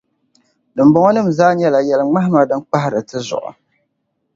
dimbɔŋɔnim’ zaa nyɛla yɛliŋmahima din kpahiri ti zuɣu.